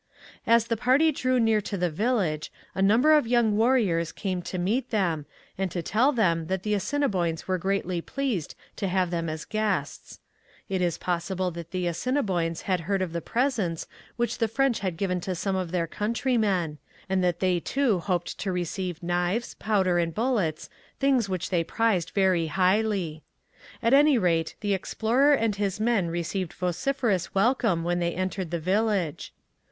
As the party drew near the village, a number of young warriors came to meet them, and to tell them that the Assiniboines were greatly pleased to have them as guests. It is possible that the Assiniboines had heard of the presents which the French had given to some of their countrymen, and that they too hoped to receive knives, powder and bullets, things which they prized very highly. At any rate, the explorer and his men received vociferous welcome when they entered the village.